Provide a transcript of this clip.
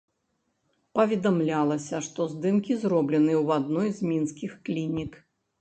Паведамлялася, што здымкі зробленыя ў адной з мінскіх клінік.